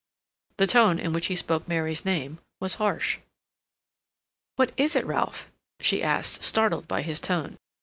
The tone in which he spoke Mary's name was harsh. "What is it, Ralph?" she asked, startled by his tone.